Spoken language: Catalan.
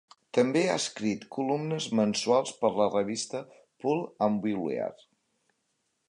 També ha escrit columnes mensuals per a la revista Pool and Billiard.